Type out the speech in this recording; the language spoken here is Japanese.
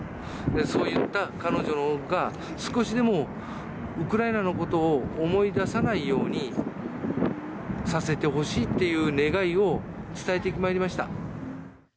そういった彼女が、少しでもウクライナのことを思い出さないようにさせてほしいっていう願いを伝えてまいりました。